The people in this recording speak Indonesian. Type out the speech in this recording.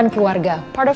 baiklah deh rino